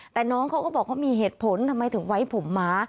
แต่น้องเขาก็บอกเขามีเหตุผลทำไมถึงไว้ผมม้า